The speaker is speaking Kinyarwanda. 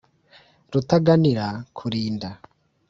Rutaganira kulinda.